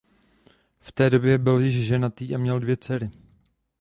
V té době byl již ženatý a měl dvě dcery.